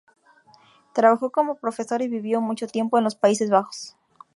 Trabajó como profesor y vivió mucho tiempo en los Países Bajos.